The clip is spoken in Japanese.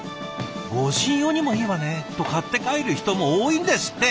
「護身用にもいいわね」と買って帰る人も多いんですって！